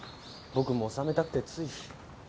僕も収めたくてつい。